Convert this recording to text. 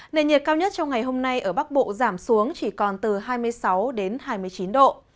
nền nhiệt cao nhất trong ngày hôm nay ở bắc bộ giảm xuống chỉ còn từ hai mươi sáu đến hai mươi chín độ